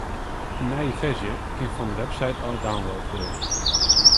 In nije ferzje kin fan de website ôf download wurde.